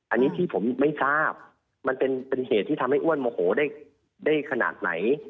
อันนี้พี่ผมไม่ทราบมันเป็นเหตุที่ทำให้อ้วนโมโหได้ขนาดไหน